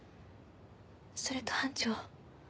それと班長。